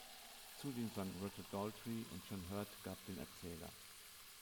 Zudem sang Roger Daltrey und John Hurt gab den Erzähler.